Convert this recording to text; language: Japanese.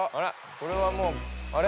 これはもうあれ？